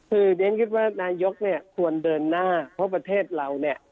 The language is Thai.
คือเรียนคิดว่านายกเนี่ยควรเดินหน้าเพราะประเทศเราเนี่ย